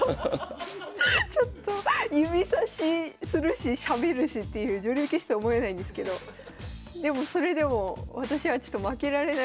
指さしするししゃべるしっていう女流棋士とは思えないんですけどでもそれでも私は負けられない。